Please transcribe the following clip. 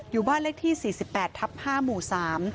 อยู่บ้านเลขที่สี่สิบแปดทับห้าหมู่สาม